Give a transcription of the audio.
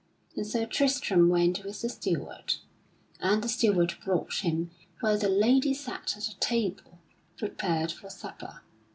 And Sir Tristram went with the steward, and the steward brought him where the lady sat at a table prepared for supper.